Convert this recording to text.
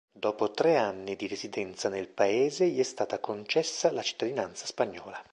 Dopo tre anni di residenza nel paese gli è stata concessa la cittadinanza spagnola.